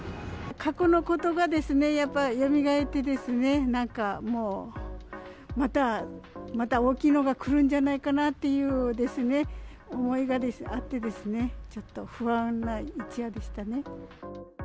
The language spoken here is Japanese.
過去のことがですね、やっぱりよみがえって、なんかもう、また大きいのがくるんじゃないかなっていうですね、思いがあってですね、ちょっと不安な一夜でしたね。